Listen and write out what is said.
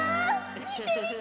みてみて！